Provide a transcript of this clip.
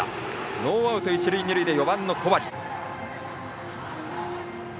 ノーアウト、一塁二塁で４番、小針。